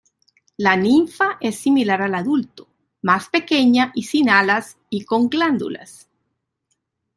La ninfa es similar al adulto, más pequeña y sin alas y con glándulas.